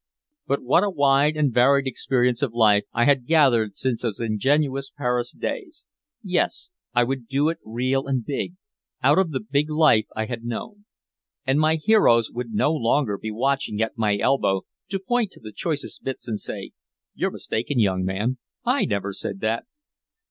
But what a wide and varied experience of life I had gathered since those ingenuous Paris days. Yes, I would do it real and big, out of the big life I had known. And my heroes would no longer be watching at my elbow to point to the choicest bits and say, "You're mistaken, young man, I never said that."